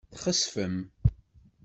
Txesfem.